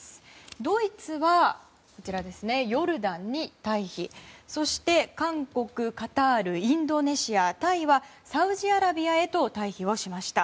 ドイツは、ヨルダンに退避そして、韓国、カタールインドネシア、タイはサウジアラビアへと退避をしました。